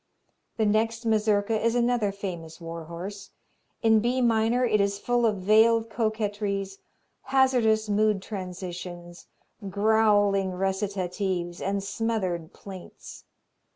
The next Mazurka is another famous warhorse. In B minor, it is full of veiled coquetries, hazardous mood transitions, growling recitatives and smothered plaints.